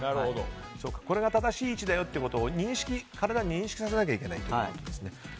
これが正しい位置だよと体に認識させないといけないということなんですね。